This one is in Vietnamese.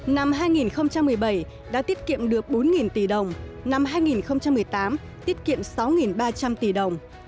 năm hai nghìn một mươi bảy đã tiết kiệm được bốn tỷ đồng năm hai nghìn một mươi tám tiết kiệm sáu ba trăm linh tỷ đồng